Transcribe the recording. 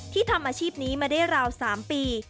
ทำอาชีพนี้มาได้ราว๓ปี